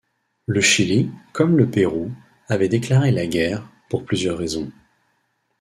Le Chili, comme le Pérou, avait déclaré la guerre, pour plusieurs raisons.